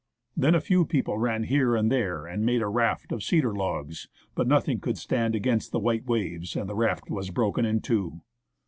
Then a few people ran here and there and made a raft of cedar logs, but nothing could stand against the white waves, and the raft was broken in two.